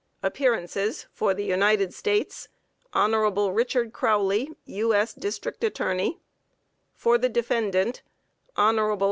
APPEARANCES. For the United States: HON. RICHARD CROWLEY. U.S. District Attorney. For the Defendant: HON.